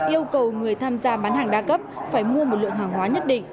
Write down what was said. yêu cầu người tham gia bán hàng đa cấp phải mua một lượng hàng hóa nhất định